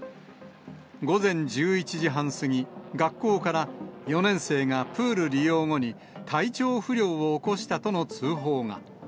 午前１１時半過ぎ、学校から４年生がプール利用後に体調不良を起こしたとの通報が。